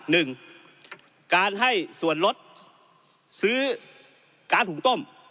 หนึ่งการให้ส่วนลดซื้อการหุงต้ม